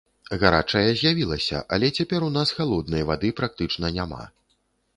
Гарачая з'явілася, але цяпер у нас халоднай вады практычна няма.